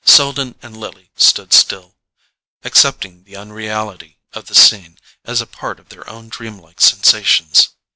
Selden and Lily stood still, accepting the unreality of the scene as a part of their own dream like sensations.